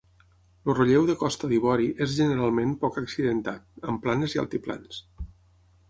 El relleu de Costa d'Ivori és generalment poc accidentat, amb planes i altiplans.